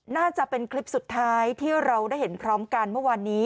น่าจะเป็นคลิปสุดท้ายที่เราได้เห็นพร้อมกันเมื่อวานนี้